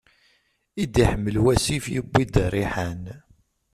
I d-iḥmel wassif, yewwi-d ariḥan.